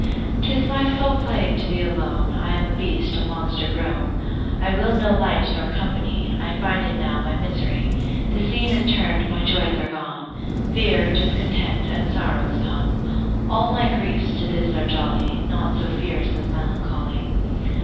'Tis my sole plague to be alone, I am a beast, a monster grown, I will no light nor company, I find it now my misery. The scene is turn'd, my joys are gone, Fear, discontent, and sorrows come. All my griefs to this are jolly, Naught so fierce as melancholy.